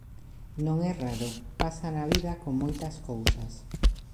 Non é raro, pasa na vida con moitas cousas.